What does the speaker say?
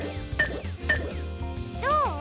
どう？